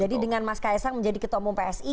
dengan mas kaisang menjadi ketua umum psi